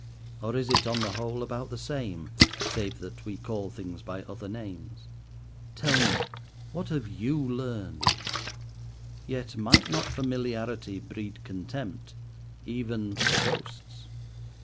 or is it, on the whole, about the same, save that we call things by other names? Tell me, what have you learned? Yet might not familiarity breed contempt, even for ghosts.